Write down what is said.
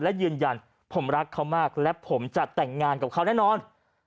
และยืนยันผมรักเขามากและผมจะแต่งงานกับเขาแน่นอน